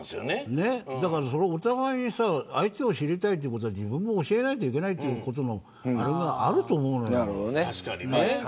お互いに相手を知りたいということは自分も教えなきゃいけないということはあると思うのよ。